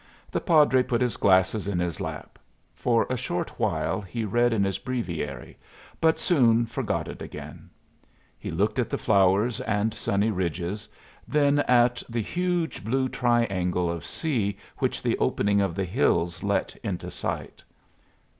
The padre put his glasses in his lap. For a short while he read in his breviary, but soon forgot it again. He looked at the flowers and sunny ridges, then at the huge blue triangle of sea which the opening of the hills let into sight.